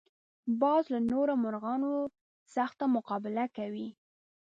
باز له نورو مرغانو سخته مقابله کوي